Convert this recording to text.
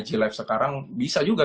ig live sekarang bisa juga